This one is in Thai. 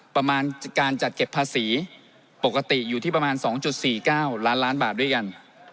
ประมาณการจัดเก็บภาษีปกติอยู่ที่ประมาณ๒๔๙ล้านล้านบาทด้วยกัน